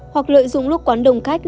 hoặc lợi dụng lúc quán đông khách